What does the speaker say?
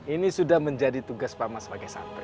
ini sudah menjadi tugas paman sebagai santri